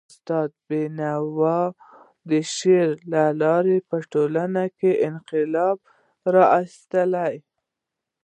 استاد بینوا د شعر د لاري په ټولنه کي انقلاب راوست.